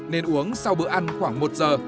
nên uống sau bữa ăn khoảng một giờ